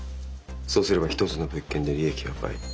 そうすれば１つの物件で利益は倍。